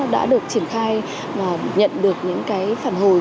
đã được triển khai và nhận được những phản hồi